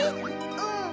うん。